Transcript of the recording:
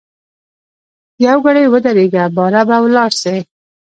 یوګړی ودریږه باره به ولاړ سی.